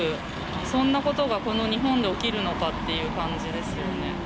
そんなことがこの日本で起きるのかっていう感じですよね。